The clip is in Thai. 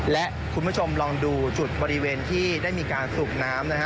และคุณผู้ชมลองดูจุดบริเวณที่ได้มีการสูบน้ำนะฮะ